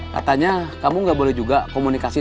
katanya kamu nggak boleh juga komunikasi